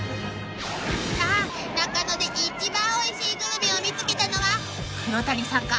［中野で一番おいしいグルメを見つけたのは黒谷さんか？